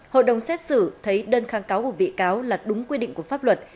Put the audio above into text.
hội đồng xét xử thấy đơn kháng cáo của bị cáo là đúng quy định của pháp luật